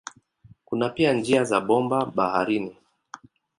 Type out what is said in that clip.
Kuna pia njia za bomba baharini.